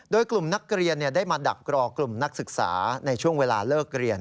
โดยกลุ่มนักเรียนได้มาดักรอกลุ่มนักศึกษาในช่วงเวลาเลิกเรียน